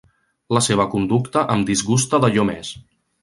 La seva conducta em disgusta d'allò més.